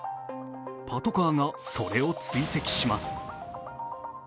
パトカーがそれを追跡します。